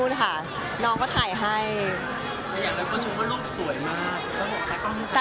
ก็คือพี่ที่อยู่เชียงใหม่พี่อธค่ะ